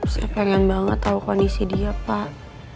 saya pengen banget tahu kondisi dia pak